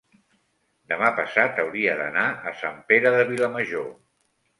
demà passat hauria d'anar a Sant Pere de Vilamajor.